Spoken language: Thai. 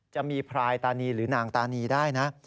จะมีพรายตานีหรือนางตานีได้นะ